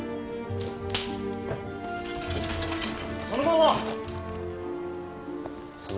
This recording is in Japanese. そのまま！